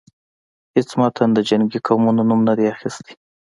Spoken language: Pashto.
هیڅ متن د جنګی قومونو نوم نه دی اخیستی.